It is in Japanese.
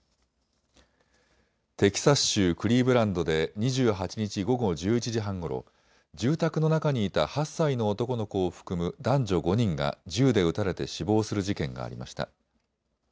テキサス州クリーブランドで２８日午後１１時半ごろ、住宅の中にいた８歳の男の子を含む男女５人が銃で撃たれて死亡する事件がありました。